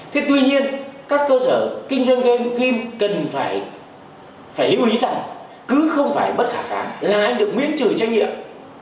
thế tuy nhiên các cơ sở kinh doanh game cần phải lưu ý rằng cứ không phải bất khả kháng là anh được miễn trừ trách nhiệm